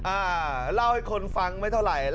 อ่าเล่าให้คนฟังไม่เท่าไหร่